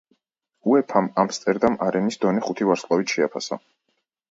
უეფამ ამსტერდამ არენის დონე ხუთი ვარსკვლავით შეაფასა.